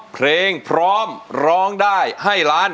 เพลงพร้อมร้องได้ให้ล้าน